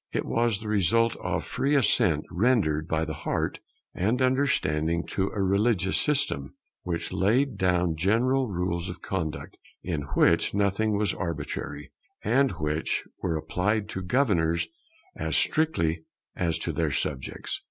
It was the result of free assent rendered by the heart and understanding to a religious system which laid down general rules of conduct, in which nothing was arbitrary, and which were applied to governors as strictly as to their subjects.